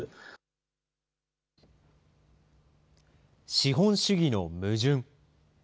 資本主義の矛盾。